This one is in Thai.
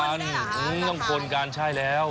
มันเข้ากันต้องก้นกันใช่แล้ว